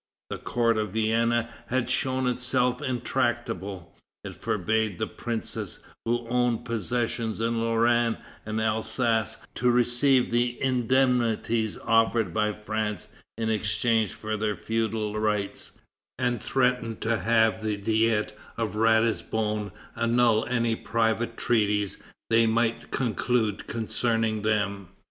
The court of Vienna had shown itself intractable. It forbade the princes who owned possessions in Lorraine and Alsace to receive the indemnities offered by France in exchange for their feudal rights, and threatened to have the Diet of Ratisbonne annul any private treaties they might conclude concerning them.